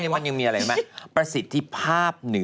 มันยังมีอะไรไหม